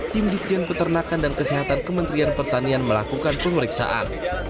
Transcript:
tim dijen peternakan dan kesehatan kementerian pertanian melakukan pemeriksaan